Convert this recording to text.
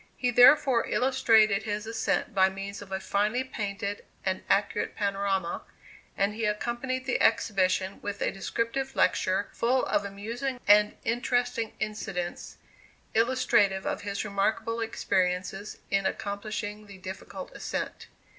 He therefore illustrated his ascent by means of a finely painted and accurate panorama, and he accompanied the exhibition with a descriptive lecture full of amusing and interesting incidents, illustrative of his remarkable experiences in accomplishing the difficult ascent.